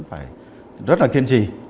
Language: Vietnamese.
phải rất là kiên trì